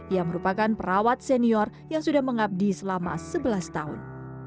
ia merupakan perawat senior yang sudah mengabdi selama sebelas tahun